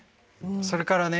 それからね